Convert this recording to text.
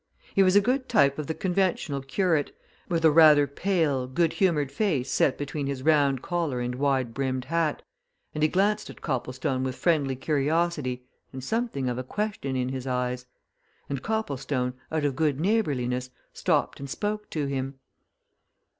He was a good type of the conventional curate, with a rather pale, good humoured face set between his round collar and wide brimmed hat, and he glanced at Copplestone with friendly curiosity and something of a question in his eyes. And Copplestone, out of good neighbourliness, stopped and spoke to him.